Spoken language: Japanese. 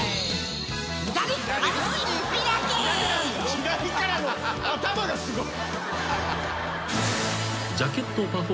左からの頭がすごい。